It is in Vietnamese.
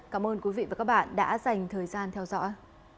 cảm ơn quý vị và các bạn đã dành thời gian theo dõi